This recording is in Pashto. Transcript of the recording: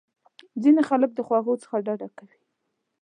ځینې خلک د خوږو څخه ډډه کوي.